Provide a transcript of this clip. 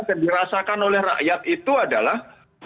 dan dirasakan oleh rakyat itu adalah